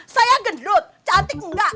saya gendut cantik enggak